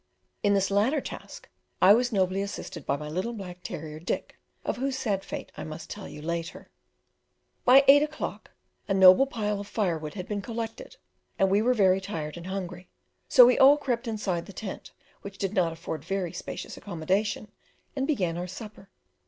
In this latter task I was nobly assisted by my little black terrier Dick, of whose sad fate I must tell you later. By eight o'clock a noble pile of firewood had been collected, and we were very tired and hungry; so we all crept inside the tent, which did not afford very spacious accommodation, and began our supper.